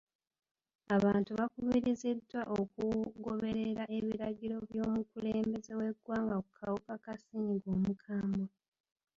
Abantu bakubiriziddwa okugoberera ebiragiro by'omukulembeze w'egwanga ku kawuka ka ssennyiga omukwambwe..